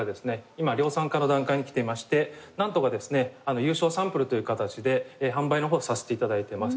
今量産化の段階にきていましてなんとか有償サンプルというかたちで販売のほうをさせていただいています。